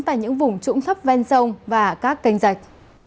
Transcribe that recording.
tại những vùng trũng thấp ven sông và các kênh rạch